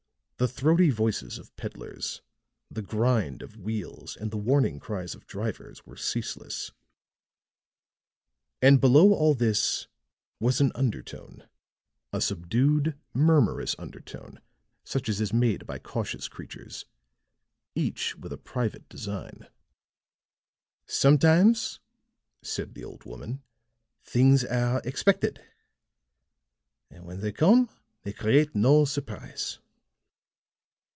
The throaty voices of peddlers, the grind of wheels and the warning cries of drivers were ceaseless; and below all this was an undertone, a subdued murmurous undertone such as is made by cautious creatures, each with a private design. "Sometimes," said the old woman, "things are expected, and when they come they create no surprise.